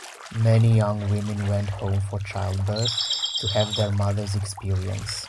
Many young women went home for childbirth, to have their mother's experience.